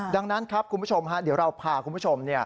ดังนั้นครับคุณผู้ชมเดี๋ยวเราพาคุณผู้ชม